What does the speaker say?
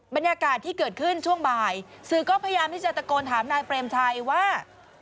บรรยากาศที่เกิดขึ้นช่วงบ่ายสื่อก็พยายามที่จะตะโกนถามนายเปรมชัยว่า